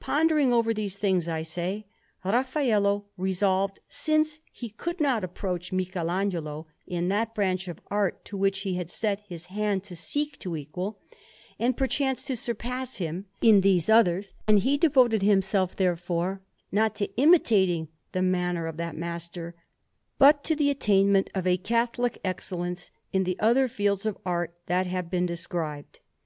Pondering over these things, I say, Raffaello resolved, since he could not approach Michelagnolo in that branch of art to which he had set his hand, to seek to equal, and perchance to surpass him, in these others; and he devoted himself, therefore, not to imitating the manner of that master, but to the attainment of a catholic excellence in the other fields of art that have been described.